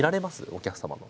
お客様の。